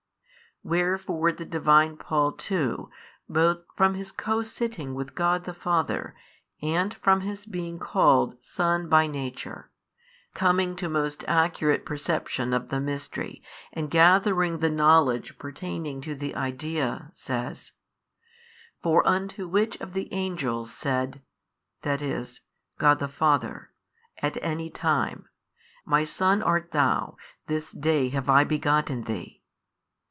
Wherefore the Divine Paul too, both from His Co sitting with God the Father and |588 from His being called Son by Nature, coming to most accurate perception of the Mystery and gathering the knowledge pertaining to the idea, says, For unto which of the Angels said (i. e., God the Father) at any time, My Son art THOU, this day have I begotten Thee?